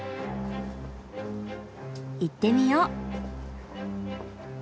行ってみよう。